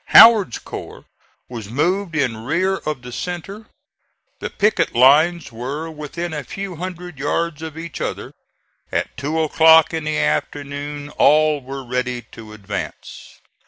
Howard's corps was moved in rear of the centre. The picket lines were within a few hundred yards of each other. At two o'clock in the afternoon all were ready to advance.